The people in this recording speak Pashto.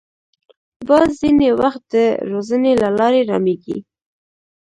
باز ځینې وخت د روزنې له لارې رامېږي